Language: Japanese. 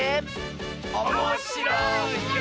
おもしろいよ！